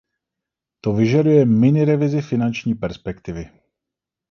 To vyžaduje mini-revizi finanční perspektivy.